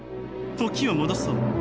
時を戻そう。